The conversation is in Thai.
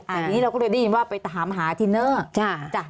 อันนี้เราก็เลยได้ยินว่าไปถามหาทินเนอร์